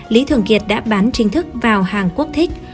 lý thường kiệt đã bán chính thức vào hàng quốc thích